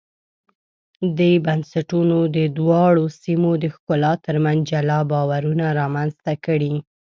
دې بنسټونو د دواړو سیمو د خلکو ترمنځ جلا باورونه رامنځته کړي.